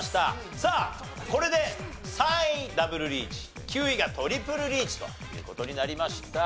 さあこれで３位ダブルリーチ９位がトリプルリーチという事になりました。